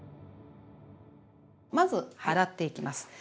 まず洗っていきます。